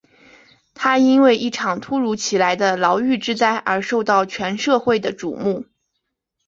他因为一场突如其来的牢狱之灾而受到全社会的瞩目。